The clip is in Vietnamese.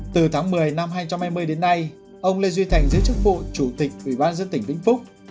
từ tháng một mươi năm hai nghìn hai mươi đến nay ông lê duy thành giữ chức vụ chủ tịch ủy ban dân tỉnh vĩnh phúc